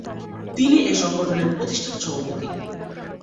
তিনি এ সংগঠনের প্রতিষ্ঠাতা সভাপতি।